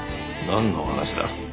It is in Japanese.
何の話だ。